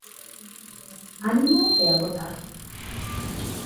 Ánimo, e a votar.